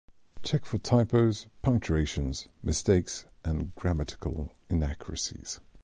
Check for typos, punctuation mistakes, and grammatical inaccuracies.